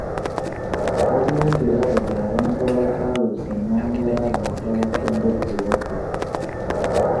Gavumenti erabudde abantu abapaaluusa ennamba y'abantu abafudde ekirwadde.